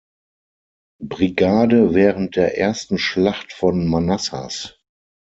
Brigade während der Ersten Schlacht von Manassas.